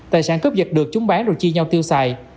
tài sản cướp giật được chúng bán rồi chia nhau tiêu xài